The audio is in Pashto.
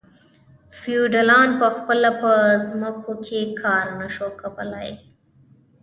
فیوډالانو په خپله په ځمکو کې کار نشو کولی.